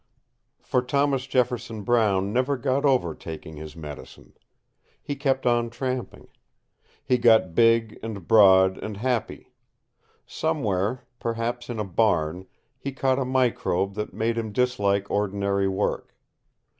For Thomas Jefferson Brown never got over taking his medicine. He kept on tramping. He got big and broad and happy. Somewhere, perhaps in a barn, he caught a microbe that made him dislike ordinary work.